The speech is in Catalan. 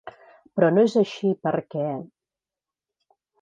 Però no és així, perquè...